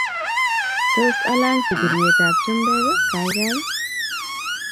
Tos, alany sigiryetab chumbek, gaigai?